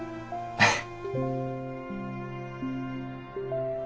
えっ？